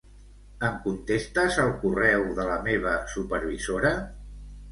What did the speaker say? Em contestes al correu de la meva supervisora?